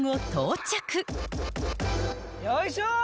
よいしょ！